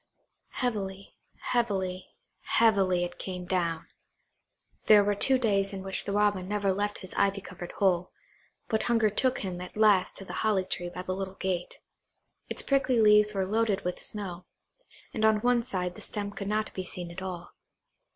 Heavily, heavily, heavily, it came down. There were two days in which the Robin never left his ivy covered hole, but hunger took him at last to the holly tree by the little gate. Its prickly leaves were loaded with snow, and on one side the stem could not be seen at all.